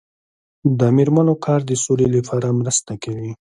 د میرمنو کار د سولې لپاره مرسته کوي.